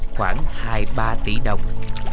khoảng hai ba tỷ đồng